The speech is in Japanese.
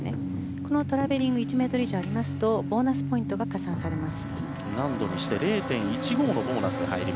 このトラベリング１ｍ以上あるとボーナスポイントが加算されます。